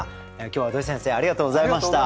今日は土井先生ありがとうございました。